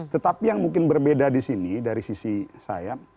tetapi yang mungkin berbeda di sini dari sisi saya